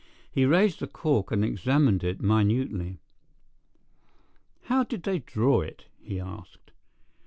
He raised the cork and examined it minutely. "How did they draw it?" he asked.